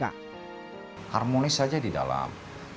harmonis saja di dalam